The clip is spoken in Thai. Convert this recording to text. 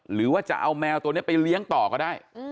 หรือว่าจะเอาแมวตัวนี้ไปเลี้ยงต่อก็ได้